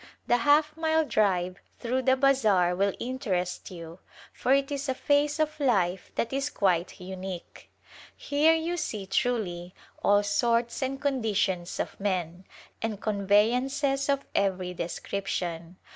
The half mile drive through the bazar will interest you for it is a phase of life that is quite unique. Here you see truly " all sorts and conditions of men," and conveyances of every description.